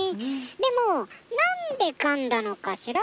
でも、なんでかんだのかしら？